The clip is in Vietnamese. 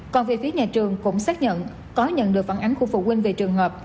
còn về phía nhà trường cũng xác nhận có nhận được phản ánh của phụ huynh về trường hợp